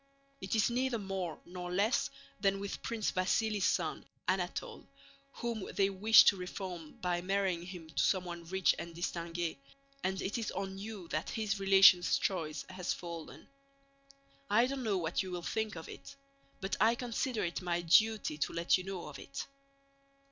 It is neither more nor less than with Prince Vasíli's son Anatole, whom they wish to reform by marrying him to someone rich and distinguée, and it is on you that his relations' choice has fallen. I don't know what you will think of it, but I consider it my duty to let you know of it.